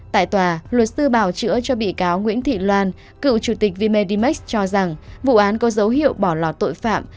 tại tòa luật sư bào chữa cho bị cáo nguyễn thị loan cựu chủ tịch vmedimax cho rằng vụ án có dấu hiệu bỏ lò tội phạm